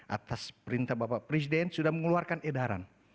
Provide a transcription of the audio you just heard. atas perintah bapak presiden sudah mengeluarkan edaran